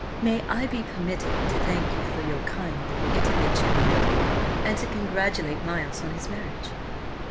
"May I be permitted to thank you for your kindly intervention, my lady? And to congratulate Miles on his marriage?"